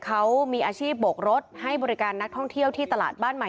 เขามีอาชีพโบกรถให้บริการนักท่องเที่ยวที่ตลาดบ้านใหม่